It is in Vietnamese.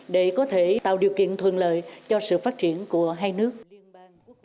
để có thể tạo điều kiện thuận lợi cho sự phát triển của hai nước